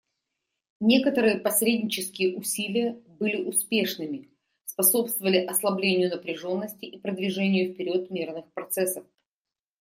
Некоторые посреднические усилия были успешными, способствовали ослаблению напряженности и продвижению вперед мирных процессов.